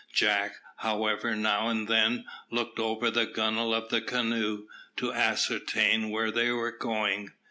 Jack, however, every now and then, looked over the gunwale of the canoe, to ascertain where they were going.